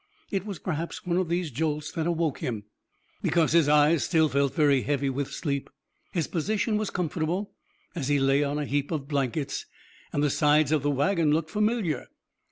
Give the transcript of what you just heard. It was perhaps one of these jolts that awoke him, because his eyes still felt very heavy with sleep. His position was comfortable as he lay on a heap of blankets, and the sides of the wagon looked familiar.